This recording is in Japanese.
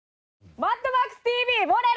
『マッドマックスＴＶ』盛れる！